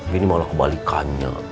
gini malah kebalikannya